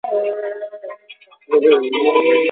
وترنري پوهنځۍ بې له ځنډه نه پیلیږي.